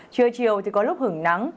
trưa chiều có lúc hứng nắng